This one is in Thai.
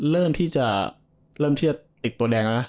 เริ่มที่จะติดตัวแดงแล้วนะ